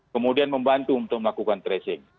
kemudian membantu untuk melakukan tracing